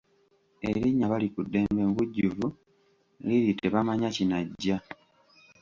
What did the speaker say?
Erinnya Balikuddembe mu bujjuvu liri Tebamanya kinajja.